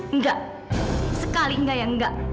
enggak sekali enggak ya enggak